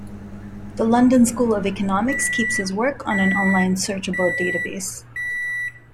The London School of Economics keeps his work on an online searchable database.